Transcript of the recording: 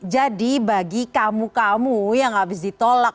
jadi bagi kamu kamu yang habis ditolak